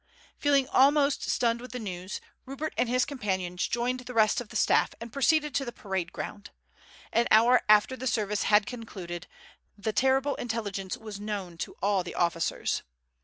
Feeling almost stunned with the news, Rupert and his companions joined the rest of the staff and proceeded to the parade ground. An hour after the service had concluded the terrible intelligence was known to all the officers.